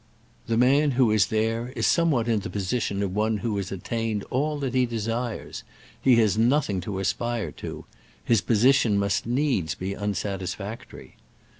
The man who is there is some what in the position of one who has at tained all that he desires — he has noth ing to aspire to : his position must needs be unsatisfactory.